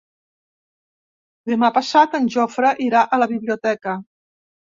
Demà passat en Jofre irà a la biblioteca.